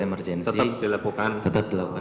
emergensi tetap dilakukan